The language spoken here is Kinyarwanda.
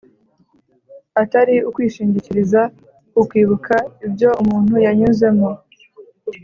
atari ukwishingikiriza ku kwibuka ibyo umuntu yanyuzemo